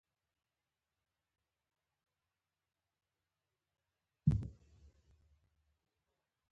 هغه د بیزو په څیر څیره لرله.